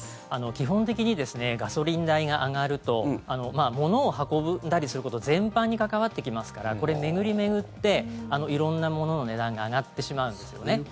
基本的にガソリン代が上がると物を運んだりすること全般に関わってきますから巡り巡って色々なものの値段が上がってしまうんですね。